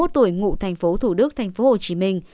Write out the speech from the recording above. bốn mươi một tuổi ngụ tp thủ đức tp hồ chí minh